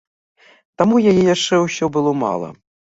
Таму яе яшчэ ўсё было мала.